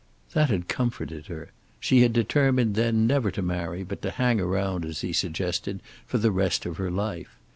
That had comforted her. She had determined then never to marry but to hang around, as he suggested, for the rest of her life.